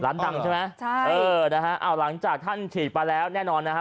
ดังใช่ไหมใช่เออนะฮะเอาหลังจากท่านฉีดไปแล้วแน่นอนนะฮะ